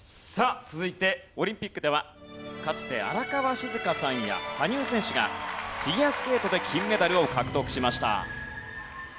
さあ続いてオリンピックではかつて荒川静香さんや羽生選手がフィギュアスケートで金メダルを獲得しました。